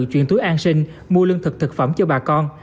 chuyển túi an sinh mua lương thực thực phẩm cho bà con